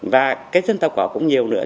và cái dân tộc họ cũng nhiều nữa